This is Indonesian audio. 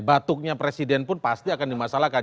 batuknya presiden pun pasti akan dimasalahkan